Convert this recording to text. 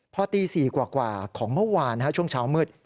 พอตี๔กว่าของเมื่อวานช่วงเช้ามืด